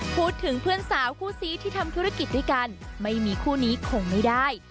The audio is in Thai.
เพื่อนสาวคู่ซีที่ทำธุรกิจด้วยกันไม่มีคู่นี้คงไม่ได้